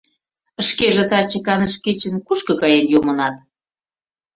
Шкеже таче, каныш кечын, кушко каен йомынат?